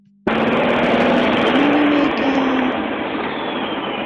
Ә, бына нимә икән...